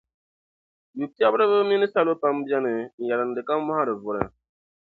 yupiɛbiriba mini salo pam bɛni n-yɛrindi ka mɔhiri vuri.